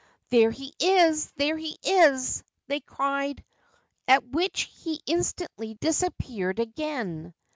' There he is ! there he is !' they cried ; at which he instantly disappeared again.